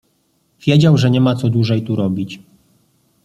Wiedział, że nie ma co dłużej tu robić.